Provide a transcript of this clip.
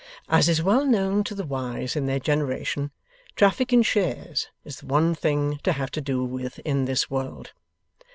As is well known to the wise in their generation, traffic in Shares is the one thing to have to do with in this world.